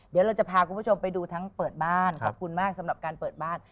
เดี๋ยวเราจะพาคุณผู้ชมไปดูทั้งเปิดบ้านขอบคุณมากสำหรับการเปิดบ้าน